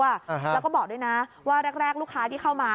แล้วก็บอกด้วยนะว่าแรกลูกค้าที่เข้ามา